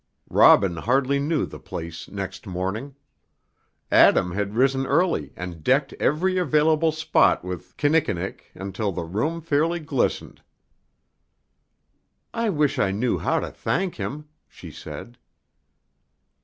Robin hardly knew the place next morning. Adam had risen early and decked every available spot with kinnikinnick until the room fairly glistened. "I wish I knew how to thank him," she said.